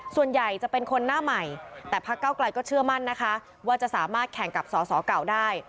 ส่วนใหญ่จะเป็นคนหน้าใหม่แต่พักเก้าไกลก็เชื่อมั่นนะคะว่าจะสามารถแข่งกับสอสอเก่าได้